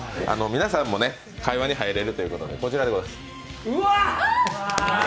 皆さんも会話に入れるということで、こちらでございます。